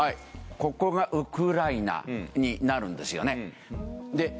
ここがウクライナになるんですよね。